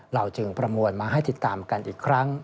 เราจึงประมวลมาให้ติดตามกันอีกครั้ง